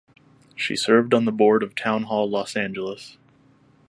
She served on the board of Town Hall Los Angeles.